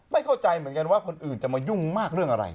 ไม่เข้าใจเหมือนกันว่าคนอื่นจะมายุ่งมากเรื่องอะไร